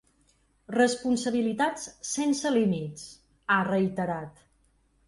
Responsabilitats sense límits, ha reiterat.